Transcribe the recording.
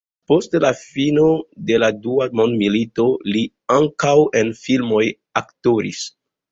Post fino de la dua mondmilito li ankaŭ en filmoj aktoris.